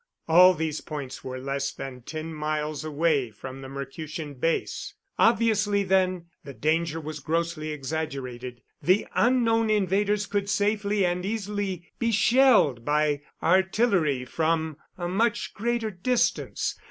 All these points were less than ten miles away from the Mercutian base. Obviously, then, the danger was grossly exaggerated. The unknown invaders could safely and easily be shelled by artillery from a much greater distance.